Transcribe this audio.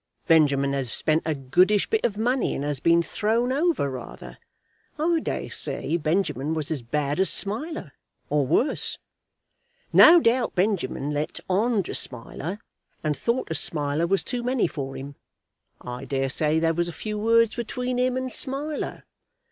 Benjamin has spent a goodish bit of money, and has been thrown over rather. I daresay Benjamin was as bad as Smiler, or worse. No doubt Benjamin let on to Smiler, and thought as Smiler was too many for him. I daresay there was a few words between him and Smiler.